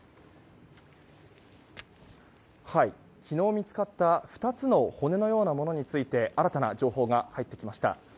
昨日見つかった２つの骨のようなものについて新たな情報が入ってきました。